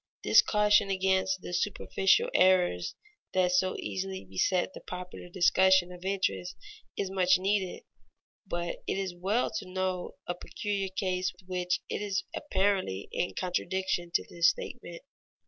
This caution against the superficial errors that so easily beset the popular discussion of interest is much needed, but it is well to note a peculiar case which is apparently in contradiction to this statement.